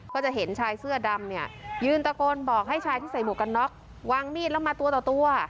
ก็จะเห็นชายเสื้อดำเนี่ยยืนตะโกนบอกให้ชายที่ใส่หมวกกันน็อกวางมีดแล้วมาตัวต่อตัว